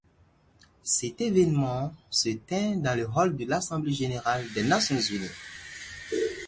Cet événement se teint dans le hall de l'Assemblée Générale des Nations unies.